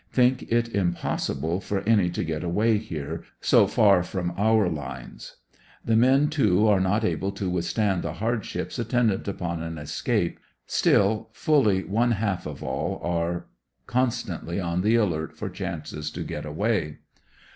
Think it impossible for any to get away here, so far from our lines. The men too are not able to withstand the hardships attendant upon an escape, still fully one half of all here are constantly on the alert for chances to get away.